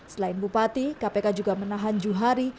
selain bupati kpk juga menahan juhari